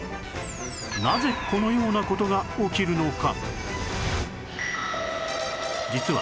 なぜこのような事が起きるのか？